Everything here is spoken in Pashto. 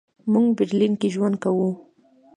موږ برلین کې ژوند کوو.